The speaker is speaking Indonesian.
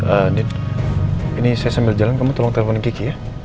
ini saya sambil jalan kamu tolong telepon kiki ya